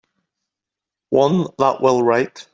One that will write.